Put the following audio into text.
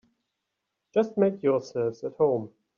Just make yourselves at home.